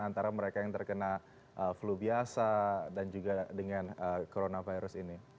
antara mereka yang terkena flu biasa dan juga dengan coronavirus ini